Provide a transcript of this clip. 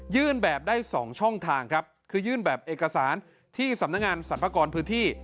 แบบได้๒ช่องทางครับคือยื่นแบบเอกสารที่สำนักงานสรรพากรพื้นที่